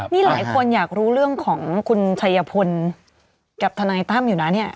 นี่หลายคนอยากรู้เรื่องของคุณชัยพลกับทนายตั้มอยู่นะเนี่ย